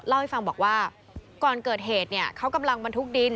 เล่าให้ฟังบอกว่าก่อนเกิดเหตุเนี่ยเขากำลังบรรทุกดิน